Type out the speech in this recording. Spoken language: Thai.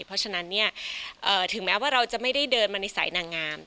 เพราะฉะนั้นเนี่ยถึงแม้ว่าเราจะไม่ได้เดินมาในสายนางงาม